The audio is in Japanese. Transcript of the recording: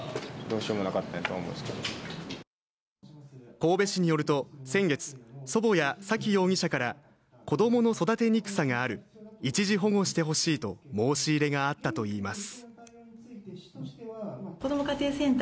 神戸市によると先月、祖母や沙喜容疑者から子供の育てにくさがある、一時保護してほしいと申し入れがあったといいます。